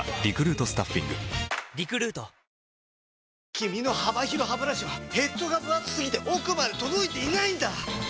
君の幅広ハブラシはヘッドがぶ厚すぎて奥まで届いていないんだ！